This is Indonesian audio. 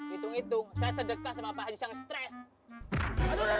hitung hitung saya sedekat sama pak haji yang stress